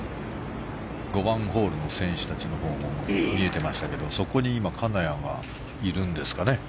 ５番ホールの選手たちも見えていましたけれどもそこに金谷がいるんですかね。